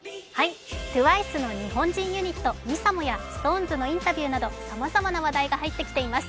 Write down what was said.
ＴＷＩＣＥの日本人ユニット、ＭＩＳＡＭＯやＳｉｘＴＯＮＥＳのインタビューなどさまざまな話題が入ってきています。